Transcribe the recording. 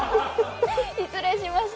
失礼しました。